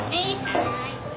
はい。